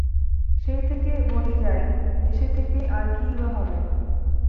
সেই থেকে বলি যাই, দেশে থেকে আর কী-ই বা হবে।